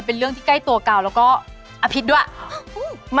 เป็นเรื่องที่ใกล้ตัวกาวแล้วก็อภิษด้วย